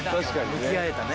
向き合えたね。